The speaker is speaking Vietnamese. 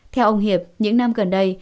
theo ông hiệp những năm gần đây